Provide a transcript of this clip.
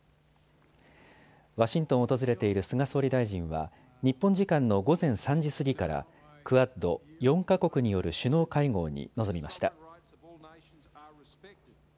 ワシントンを訪れている菅総理大臣は日本時間の午前３時過ぎから、クアッド・４か国による首脳会合に臨みました。